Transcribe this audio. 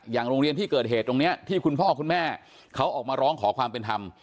โรงเรียนที่เกิดเหตุตรงนี้ที่คุณพ่อคุณแม่เขาออกมาร้องขอความเป็นธรรม